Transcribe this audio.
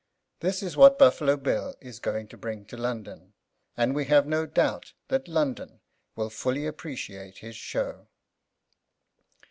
This is what Buffalo Bill is going to bring to London; and we have no doubt that London will fully appreciate his show.